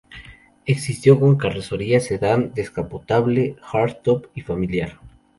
Existió con carrocerías sedán, descapotable, hardtop y familiar.